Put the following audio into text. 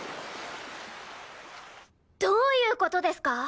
どういう事ですか！？